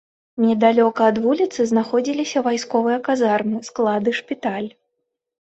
Недалёка ад вуліцы знаходзіліся вайсковыя казармы, склады, шпіталь.